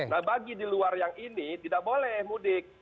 nah bagi di luar yang ini tidak boleh mudik